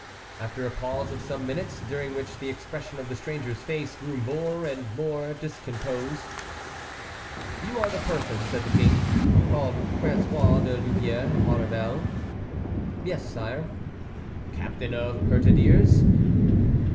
After a pause of some minutes, during which the expression of the stranger's face grew more and more discomposed, "You are the person," said the King, "called François de Louvièrs Maurevel?" "Yes, sire." "Captain of petardeers?"